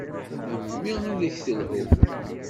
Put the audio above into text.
Memmi ad ak-telhu.